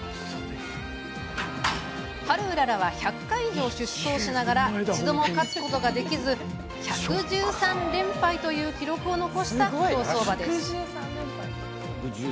ハルウララは１００回以上出走しながら一度も勝つことができず１１３連敗という記録を残した競走馬。